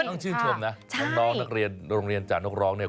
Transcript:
ต้องชื่นชมนะน้องนักเรียนโรงเรียนจากนักร้องเนี่ย